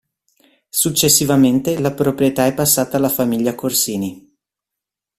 Successivamente la proprietà è passata alla famiglia Corsini.